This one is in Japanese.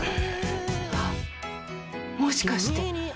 あっもしかして。